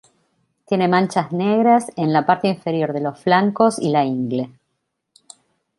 Tiene manchas negras en la parte inferior de los flancos y la ingle.